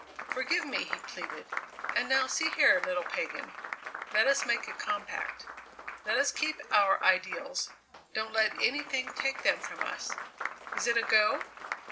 "Forgive me!" he pleaded. "And now see here, little pagan, let us make a compact. Let us keep our ideals; don't let anything take them from us. Is it a go?"